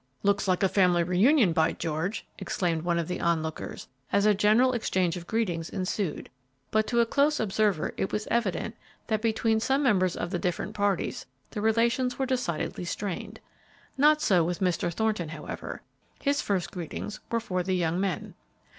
"Looks like a family reunion, by George!" exclaimed one of the on lookers, as a general exchange of greetings ensued, but to a close observer it was evident that between some members of the different parties the relations were decidedly strained. No so with Mr. Thornton, however; his first greetings were for the young men.